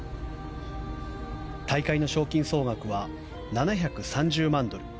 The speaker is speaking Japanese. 大会の賞金総額は７３０万ドル